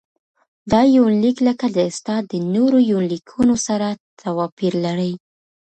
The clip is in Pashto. دا يونليک لکه د استاد د نورو يونليکونو سره تواپېر لري.